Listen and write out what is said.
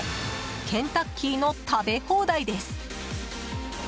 ケンタッキーの食べ放題です。